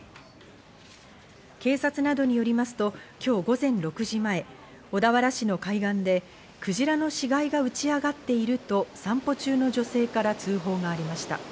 警察などによりますと今日午前６時前、小田原市の海岸で、クジラの死骸が打ち上がっていると散歩中の女性から通報がありました。